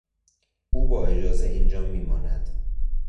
او با اجازه اینجا میماند.